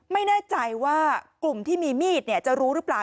ไม่แน่ใจว่ากลุ่มที่มีมีดจะรู้หรือเปล่า